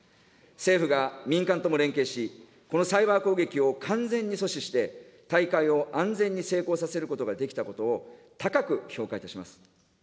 政府が民間とも連携し、このサイバー攻撃を完全に阻止して、大会を安全に成功させることができたことを高く評価いたします。